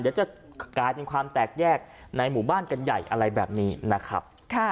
เดี๋ยวจะกลายเป็นความแตกแยกในหมู่บ้านกันใหญ่อะไรแบบนี้นะครับ